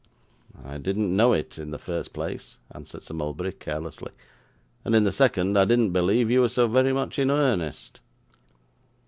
'I didn't know it, in the first place,' answered Sir Mulberry carelessly; 'and in the second, I didn't believe you were so very much in earnest.